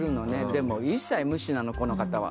でも一切無視なのこの方は。